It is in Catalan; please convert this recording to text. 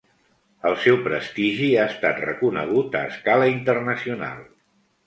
El seu prestigi ha estat reconegut a escala internacional.